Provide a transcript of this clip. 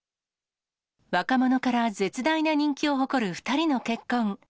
若者から絶大な人気を誇る２人の結婚。